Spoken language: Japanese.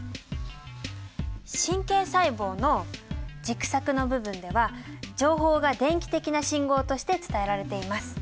神経細胞の軸索の部分では情報が電気的な信号として伝えられています。